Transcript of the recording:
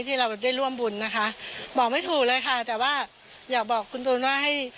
ที่เราได้ร่วมบุญนะคะบอกไม่ถูกเลยค่ะแต่ว่าอยากบอกคุณตูนว่าให้